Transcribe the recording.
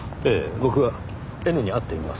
僕はＮに会ってみます。